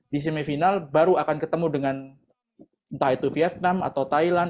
di semifinal baru akan ketemu dengan entah itu vietnam atau thailand